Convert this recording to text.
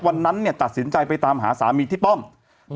วันนั้นเนี่ยตัดสินใจไปตามหาสามีที่ป้อมอืม